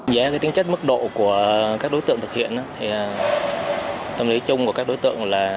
dễ cái tính chất mức độ của các đối tượng thực hiện tâm lý chung của các đối tượng là